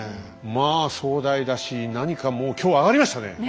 まあ壮大だし何かもう今日上がりましたね。